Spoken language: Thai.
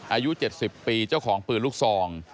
อายุ๗๐ปีเจ้าของปืนลูกซอง